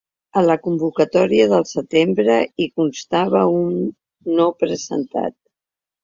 A la convocatòria del setembre, hi constava un ‘no presentat’.